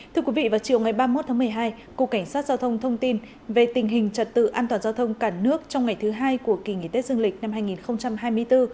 thưa quý vị vào chiều ngày ba mươi một tháng một mươi hai cục cảnh sát giao thông thông tin về tình hình trật tự an toàn giao thông cả nước trong ngày thứ hai của kỳ nghỉ tết dương lịch năm hai nghìn hai mươi bốn